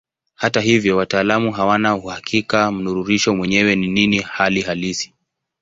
Hata hivyo wataalamu hawana uhakika mnururisho mwenyewe ni nini hali halisi.